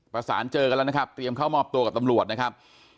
เจอกันแล้วนะครับเตรียมเข้ามอบตัวกับตำรวจนะครับ